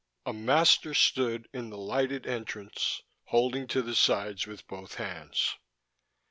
A master stood in the lighted entrance, holding to the sides with both hands.